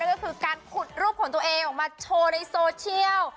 ก็คือการขุดรูปของตัวเองออกมาโชว์ในโซเชียล